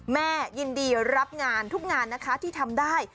แม่ยินดีรับงานทุกงานนะคะที่ทำได้